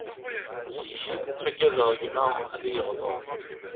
Zik ttaggadeɣ gma ad iyi-iɣdeṛ.